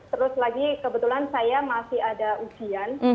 terus lagi kebetulan saya masih ada ujian